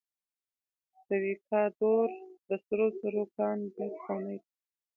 د ویکادور د سرو زرو کان ډیر پخوانی دی.